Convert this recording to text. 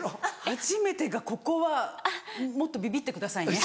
初めてがここはもっとビビってくださいね。